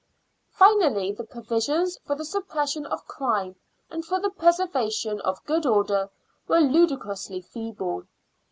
Finally, the provisions for the suppression of crime and for the preservation of good order were ludicrously feeble.